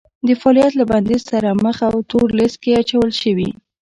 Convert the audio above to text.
د فعالیت له بندیز سره مخ او تور لیست کې اچول شوي